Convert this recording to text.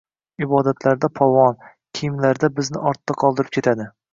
Ibodatlarida polvon, kiyimlarida bizni ortda qoldirib ketadi.